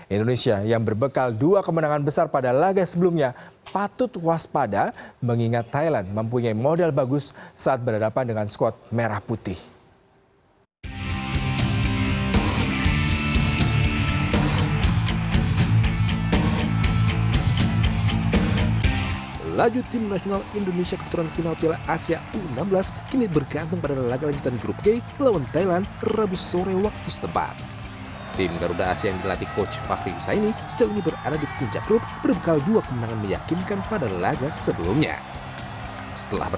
indonesia yang berbekal dua kemenangan besar pada laga sebelumnya patut waspada mengingat thailand mempunyai model bagus saat berhadapan dengan skuad merah putih